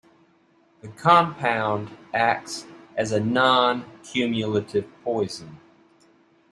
The compound acts as a non-cumulative poison.